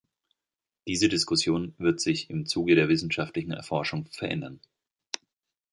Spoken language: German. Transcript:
Diese Diskussion wird sich im Zuge der wissenschaftlichen Erforschung verändern.